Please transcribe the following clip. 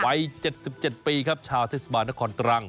วัย๗๗ปีครับชาวเทศบาลนครตรัง